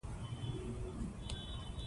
د دې لارښود په میلیونونو نسخې پلورل شوي دي.